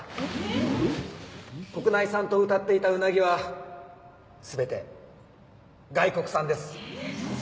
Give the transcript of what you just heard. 国内産とうたっていたウナギは全て外国産です。